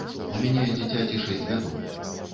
У мяне дзіцяці шэсць гадоў.